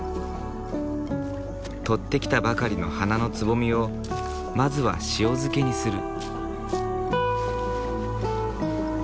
取ってきたばかりの花のつぼみをまずは塩漬けにする。